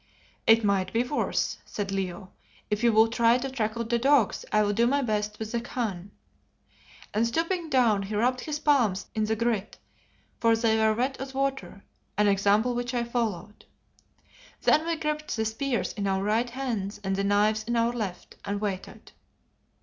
"It might be worse," said Leo. "If you will try to tackle the dogs, I'll do my best with the Khan," and stooping down he rubbed his palms in the grit, for they were wet as water, an example which I followed. Then we gripped the spears in our right hands and the knives in our left, and waited.